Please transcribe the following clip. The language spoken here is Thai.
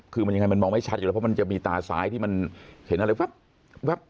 คือมันยังไงมันมองไม่ชัดอยู่แล้วเพราะมันจะมีตาซ้ายที่มันเห็นอะไรแว๊บ